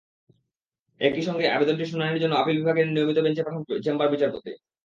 একই সঙ্গে আবেদনটি শুনানির জন্য আপিল বিভাগের নিয়মিত বেঞ্চে পাঠান চেম্বার বিচারপতি।